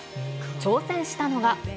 挑戦したのは。